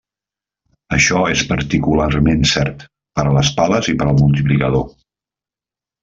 Això és particularment cert per a les pales i per al multiplicador.